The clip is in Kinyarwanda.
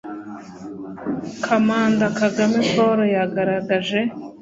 commander kagame paul yagaragaje